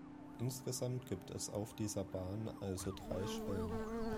Insgesamt gibt es auf dieser Bahn also drei Schwellen.